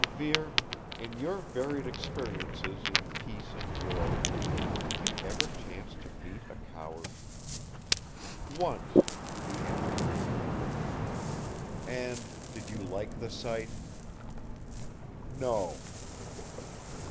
"Vere, in your varied experiences in peace and war, did you ever chance to meet a coward?" "Once," he answered briefly. "And, did you like the sight?" "No."